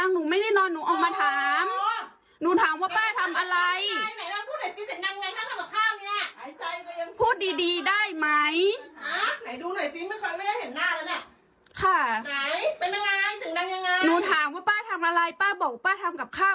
หนูถามว่าป้าทำอะไรป้าบอกว่าป้าทำกับข้าว